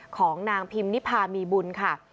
ของนางพิมนิพามีบุญค่ะ